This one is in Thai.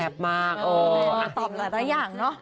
แทบมากโอ้ตอบหลายอย่างเนาะ